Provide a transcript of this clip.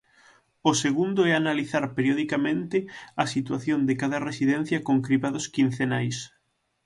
O segundo é analizar periodicamente a situación de cada residencia con cribados quincenais.